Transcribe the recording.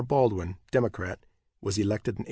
Baldwin, Democrat, was elected in 1892.